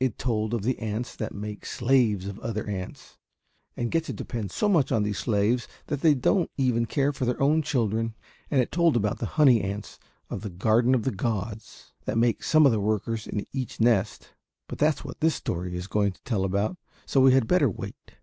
It told of the ants that make slaves of other ants, and get to depend so much on these slaves that they can't even care for their own children, and it told about the honey ants of the Garden of the Gods that make some of the workers in each nest but that's what this story is going to tell about, so we had better wait.